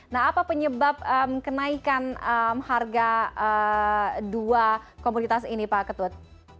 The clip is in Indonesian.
nah apa penyebab kenaikan harga dua komunitas ini pak ketut